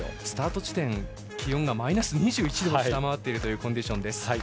スタート地点の気温がマイナス２１度を下回るコンディション。